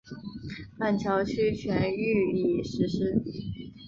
板桥区全域已实施。